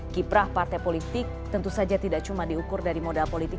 kiprah partai politik tentu saja tidak cuma diukur dari modal politik